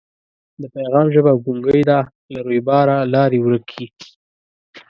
د پیغام ژبه ګونګۍ ده له رویباره لاري ورکي